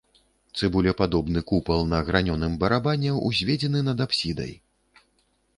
Цыбулепадобны купал на гранёным барабане ўзведзены над апсідай.